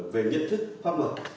về nhiệt thức pháp luật